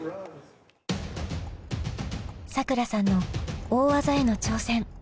さくらさんの大技への挑戦。